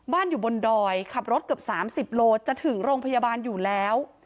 อยู่บนดอยขับรถเกือบ๓๐โลจะถึงโรงพยาบาลอยู่แล้ว